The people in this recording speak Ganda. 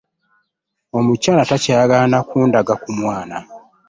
Omukyala takyayagala na kundaga ku mwana.